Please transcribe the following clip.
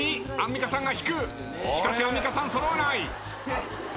しかしアンミカさん揃わない。